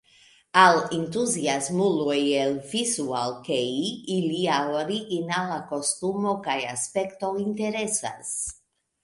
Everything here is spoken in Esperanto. Al entuziasmuloj de Visual-kei, ilia originala kostumo kaj aspekto interesas.